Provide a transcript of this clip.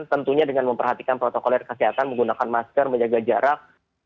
tentunya dengan memperhatikan protokol air kesehatan menggunakan masker menjaga jarak